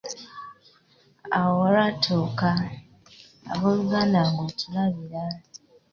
Awo lwatuuka, ab’oluganda ng’otulabira.